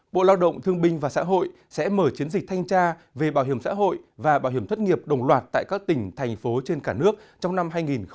bộ lao động thương binh và xã hội sẽ mở chiến dịch thanh tra về bảo hiểm xã hội và bảo hiểm thất nghiệp đồng loạt tại các tỉnh thành phố trên cả nước trong năm hai nghìn hai mươi